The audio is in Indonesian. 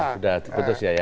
sudah putus ya ya